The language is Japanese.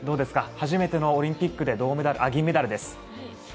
初めてのオリンピックで銀メダルです。